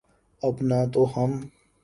اب نہ تو ہم